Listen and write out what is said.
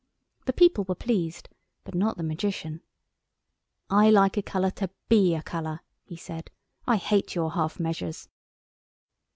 The people were pleased, but not the Magician. "I like a colour to be a colour," he said. "I hate your half measures."